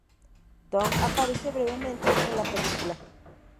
Tong aparece brevemente en la película.